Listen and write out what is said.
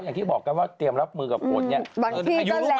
อย่างที่บอกกันว่าเตรียมรับมือกับฝนเนี่ย